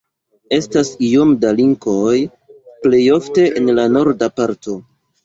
Estas iom da linkoj, plejofte en la norda parto.